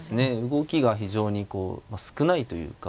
動きが非常にこう少ないというか。